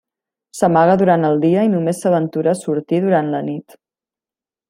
S'amaga durant el dia i només s'aventura a sortir durant la nit.